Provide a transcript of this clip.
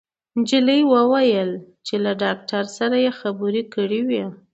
انجلۍ وويل چې له ډاکټر سره يې خبرې کړې وې